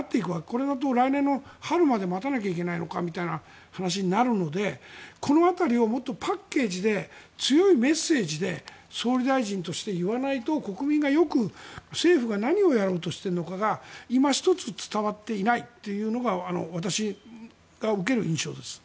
これだと来年の春まで待たなきゃいけないのかという話になるのでこの辺りをもっとパッケージで強いメッセージで総理大臣として言わないと国民がよく政府が何をやろうとしているかが今一つ伝わっていないというのが私が受ける印象です。